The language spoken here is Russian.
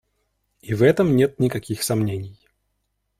И в этом нет никаких сомнений.